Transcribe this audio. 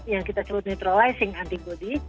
yang kita sebut netralizing antibody